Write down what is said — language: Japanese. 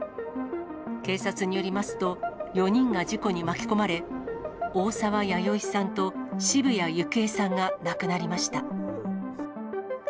警察によりますと、４人が事故に巻き込まれ、大沢弥生さんと渋谷幸恵さんが亡くなりました。